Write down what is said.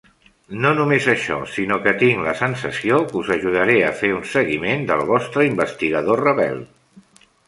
No només això, sinó que tinc la sensació que us ajudaré a fer un seguiment del vostre investigador rebel.